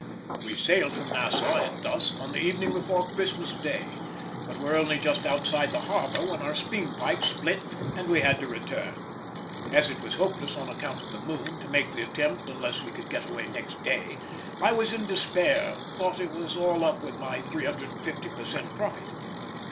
We sailed from Nassau at dusk on the evening before Christmas day, but were only just outside the harbour when our steam pipe split and we had to return. As it was hopeless on account of the moon to make the attempt unless we could get away next day, I was in despair and thought it was all up with my 350 per cent profit.